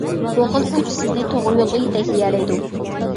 بۇ خىل كۈچ سىزنى توغرا يولغا يېتەكلىيەلەيدۇ.